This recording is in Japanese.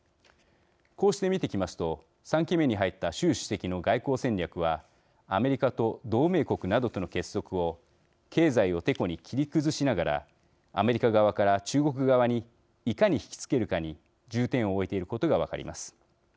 こうして見てきますと３期目に入った習主席の外交戦略はアメリカと同盟国などとの結束を経済をテコに切り崩しながらアメリカ側から中国側にいかに引き付けるかに重点を置いていることが分かります。